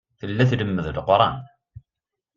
Tella tlemmed Leqran.